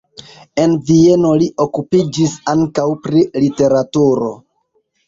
En Vieno li okupiĝis ankaŭ pri literaturo.